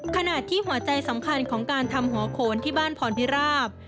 ขณะที่หัวใจสำคัญของการทำหัวโขนที่บ้านพรพิราบ